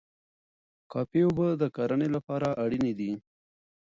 کافي اوبه د کرنې لپاره اړینې دي.